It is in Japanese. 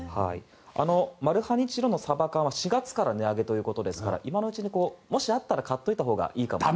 マルハニチロのサバ缶４月から値上げということで今のうちに、もしあったら買ったほうがいいと思います。